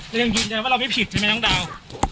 ยังยืนยันว่าเราไม่ผิดใช่ไหมน้องดาว